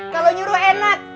kalau nyuruh enak